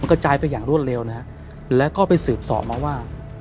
กระจายไปอย่างรวดเร็วนะฮะแล้วก็ไปสืบสอบมาว่า